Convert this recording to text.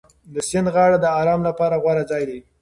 د سیند غاړه د ارام لپاره غوره ځای دی.